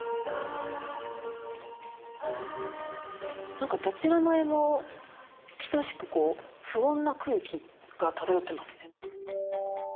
なんかどちらの絵も等しくこう不穏な空気が漂ってますね。